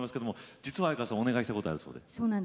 実は相川さんお願いしたいことがあるそうで。